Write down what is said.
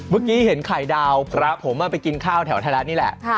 เมื่อกี้เห็นไข่ดาวพระผมไปกินข้าวแถวไทยรัฐนี่แหละ